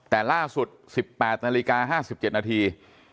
แต่ล่าสุด๑๘นาฬิกา๕๗นาที